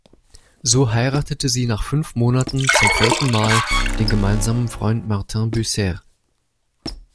So heiratete sie nach fünf Monaten zum vierten Mal den gemeinsamen Freund Martin Bucer.